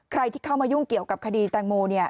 ใครที่เข้ามายุ่งเกี่ยวกับคดีแตงโมเนี่ย